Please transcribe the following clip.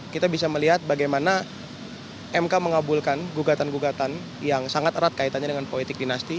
kita bisa melihat bagaimana mk mengabulkan gugatan gugatan yang sangat erat kaitannya dengan politik dinasti